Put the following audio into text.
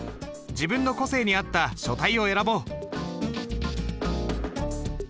自分の個性に合った書体を選ぼう。